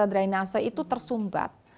dry nasa itu tersumbat